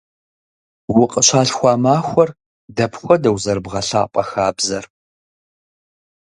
Укъыщалъхуа махуэр дапхуэдэу зэрыбгъэлъапӏэ хабзэр?